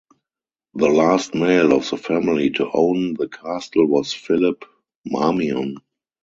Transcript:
The last male of the family to own the castle was Philip Marmion.